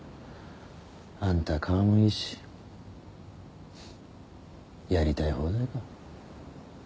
あんた顔もいいしやりたい放題か。